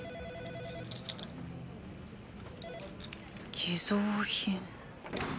偽造品。